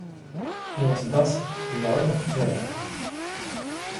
He was thus Lord of Clare.